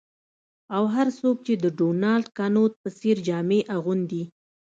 او هر څوک چې د ډونالډ کنوت په څیر جامې اغوندي